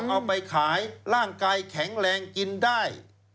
เอาไปขายร่างกายแข็งแรงกินได้